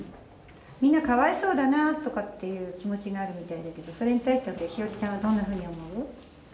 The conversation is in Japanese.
みんな「かわいそうだな」とかっていう気持ちがあるみたいだけどそれに対しては日和ちゃんはどんなふうに思う？